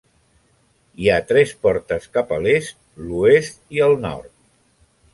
Hi ha tres portes cap a l'est, l'oest i el nord.